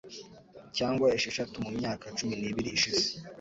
cyangwa esheshatu mumyaka cumi n'ibiri ishize.